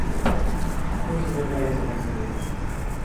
Toch moeten we weten wat we willen.